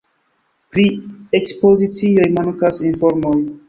Pri ekspozicioj mankas informoj.